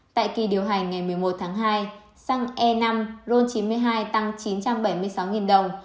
tại kỳ điều hành ngày một mươi một tháng hai xăng e năm ron chín mươi hai tăng chín trăm bảy mươi sáu đồng